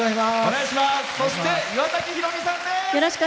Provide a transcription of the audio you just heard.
そして、岩崎宏美さんです。